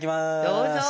どうぞ。